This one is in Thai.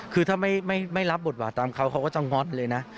คือถ้าไม่รับบทบาทตามเขาเขาก็จะงอตเลยนะ